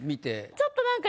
ちょっとなんか。